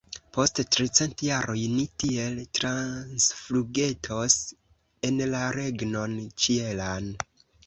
Post tricent jaroj ni tiel transflugetos en la regnon ĉielan!